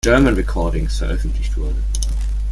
German Recordings" veröffentlicht wurde.